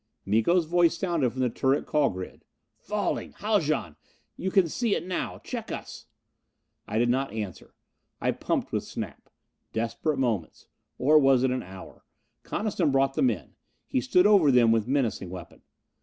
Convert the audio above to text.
Miko's voice sounded from the turret call grid: "Falling! Haljan, you can see it now! Check us!" I did not answer that. I pumped with Snap. Desperate moments. Or was it an hour? Coniston brought the men. He stood over them with menacing weapon.